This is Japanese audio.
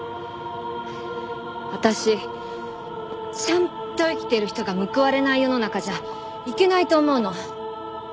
私ちゃんと生きている人が報われない世の中じゃいけないと思うの。